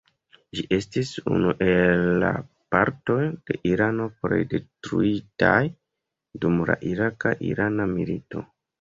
Ĝi estis unu el la partoj de Irano plej detruitaj dum la iraka-irana milito.